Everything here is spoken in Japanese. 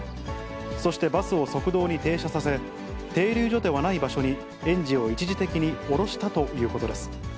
そしてバスを側道に停車させ、停留所ではない場所に、園児を一時的に降ろしたということです。